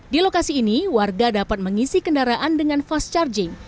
di lokasi ini warga dapat mengisi kendaraan dengan fast charging